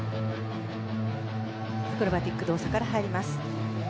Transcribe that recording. アクロバティック動作から入ります。